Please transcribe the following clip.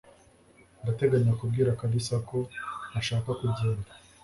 Ndateganya kubwira Kalisa ko ntashaka kugenda